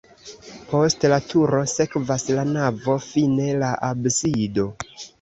Post la turo sekvas la navo, fine la absido.